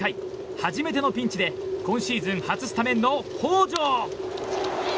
初めてのピンチで今シーズン初スタメンの北條。